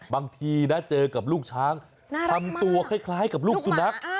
บางทีนะเจอกับลูกช้างทำตัวคล้ายกับลูกสุนัข